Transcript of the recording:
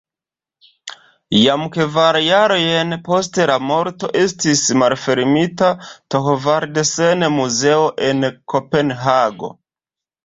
Jam kvar jarojn post la morto estis malfermita Thorvaldsen-muzeo en Kopenhago.